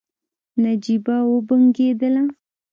نجيبه وبنګېدله.